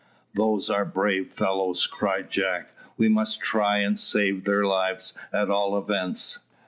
"Those are brave fellows," cried Jack; "we must try and save their lives at all events."